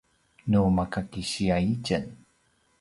nu maka kisiya itjen